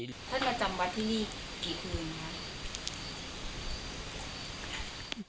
ท่านมาจำวัดที่นี่กี่คืนครับ